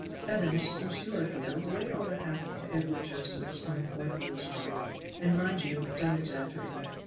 Evans, since you are here, relate all that happened to Edward Josephs on the fourth of this month and mind you don't exaggerate."